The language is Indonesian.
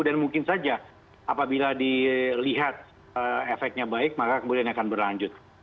dan mungkin saja apabila dilihat efeknya baik maka kemudian akan berlanjut